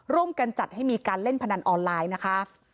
ร่วมกันจัดให้มีการเล่นพนันออนไลน์นะคะ